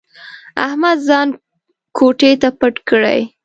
احمد ځان کوټې ته پټ کړي.